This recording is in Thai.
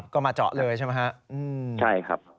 ก็มาเจาะเลยใช่ไหมฮะใช่ครับ